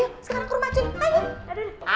sekarang kerumah jun